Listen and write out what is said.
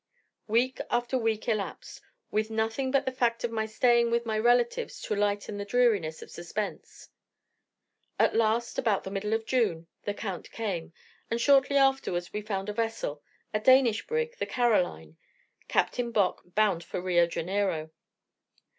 Week after week elapsed, with nothing but the fact of my staying with my relatives to lighten the dreariness of suspense; at last, about the middle of June, the Count came, and shortly afterwards we found a vessel a Danish brig, the "Caroline," Captain Bock, bound for Rio Janeiro.